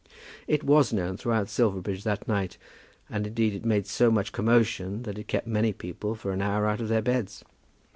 It was known throughout Silverbridge that night, and indeed it made so much commotion that it kept many people for an hour out of their beds.